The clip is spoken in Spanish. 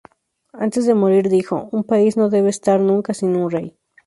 Antes de morir, dijo: "Un país no debe ester nunca sin un rey.